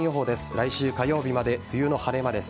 来週火曜日まで梅雨の晴れ間です